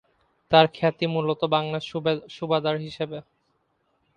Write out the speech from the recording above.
তার খ্যাতি মূলত বাংলার সুবাদার হিসাবে।